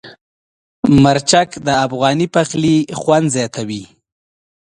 مرچک د افغاني پخلي خوند زیاتوي.